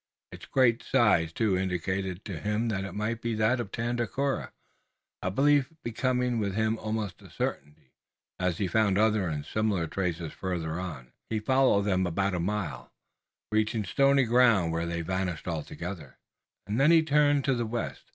Its great size too indicated to him that it might be that of Tandakora, a belief becoming with him almost a certainty as he found other and similar traces farther on. He followed them about a mile, reaching stony ground where they vanished altogether, and then he turned to the west.